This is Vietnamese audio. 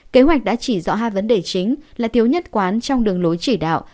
kế hoạch đã chỉ rõ hai vấn đề chính là thiếu nhất quán trong đường lối chỉ đạo